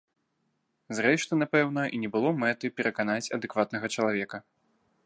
Зрэшты, напэўна, і не было мэты пераканаць адэкватнага чалавека.